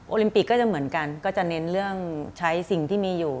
ลิมปิกก็จะเหมือนกันก็จะเน้นเรื่องใช้สิ่งที่มีอยู่